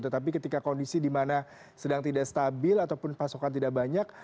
tetapi ketika kondisi di mana sedang tidak stabil ataupun pasokan tidak banyak